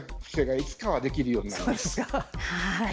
いつかはできるようになります。